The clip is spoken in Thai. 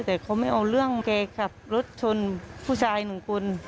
แต่เขาไม่เอาเรื่องแกขับรถชนผู้ชายหนึ่งคน